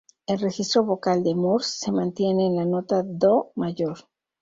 El registro vocal de Murs se mantiene en la nota "do" mayor.